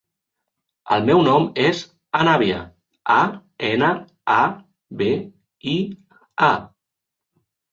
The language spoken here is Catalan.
El meu nom és Anabia: a, ena, a, be, i, a.